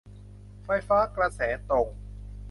ไฟฟ้ากระแสตรง